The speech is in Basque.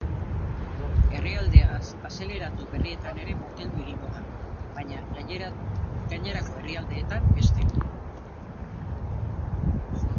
Herrialde azelaratu berrietan ere moteldu egingo da, baina gainerako herrialdetan beste.